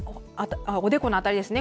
おでこの辺りですね。